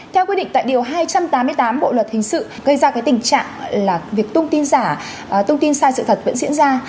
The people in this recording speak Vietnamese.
theo quy định tại điều hai trăm tám mươi tám bộ luật hình sự gây ra cái tình trạng là việc tung tin giả thông tin sai sự thật vẫn diễn ra